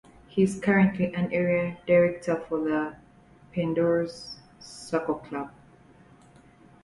He is currently an Area Director for the Pateadores Soccer Club.